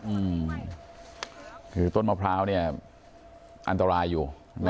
อืมคือต้นมะพร้าวเนี่ยอันตรายอยู่นะ